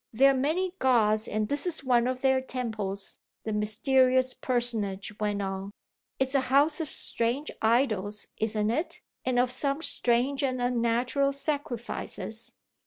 "There are many gods and this is one of their temples," the mysterious personage went on. "It's a house of strange idols isn't it? and of some strange and unnatural sacrifices."